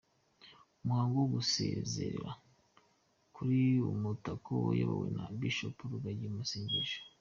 Umuhango wo gusezera kuri Umutako wayobowe na Bishop Rugagi mu masengesho.